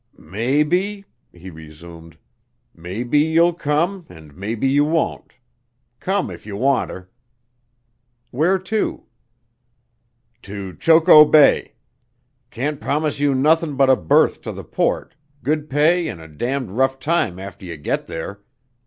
"Maybe," he resumed, "maybe you'll come an' maybe you won't. Come if you wanter." "Where to?" "To Choco Bay. Can't promise you nothin' but a berth to the port, good pay an' a damned rough time after you get there.